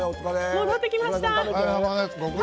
戻ってきました！